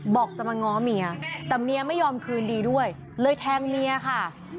บอกจะมาง้อเมียแต่เมียไม่ยอมคืนดีด้วยเลยแทงเมียค่ะ